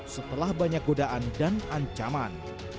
setelah banyak godaan dan ancaman